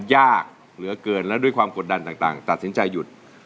ยากเหลือเกินและด้วยความกดดันต่างตัดสินใจหยุด